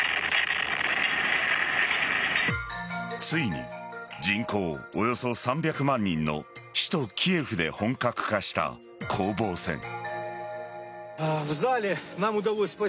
ついに人口およそ３００万人の首都・キエフで本格化した攻防戦。